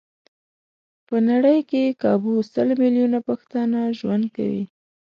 په نړۍ کې کابو سل ميليونه پښتانه ژوند کوي.